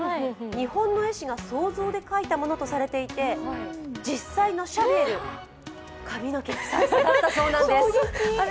日本の絵師が想像で描いたものとされていて、実際のシャヴィエル、髪の毛ふさふさだったそうなんです。